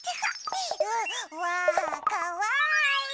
わあかわいい！